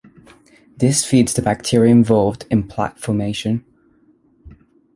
This feeds the bacteria involved in plaque formation.